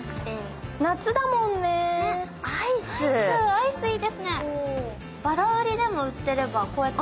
アイスいいですね。